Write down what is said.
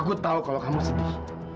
aku tahu kalau kamu sedih